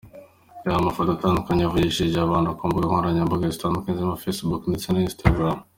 Reba amafoto atandukanye yavugishije abantu ku mbuga nkoranyambaga zitandukanye zirimo Facebook ndetse na Instagram.